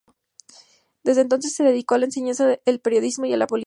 Desde entonces se dedicó a la enseñanza, al periodismo y a la política.